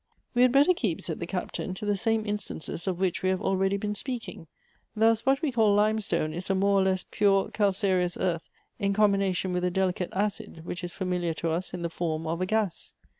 " We had better keep," said the Captain, " to the same instances of which we have already been speaking. Thus, what we call limestone is a more or less pure calcareous earth in combination with a delicate acid, which is famil iar to us in the form of a gas.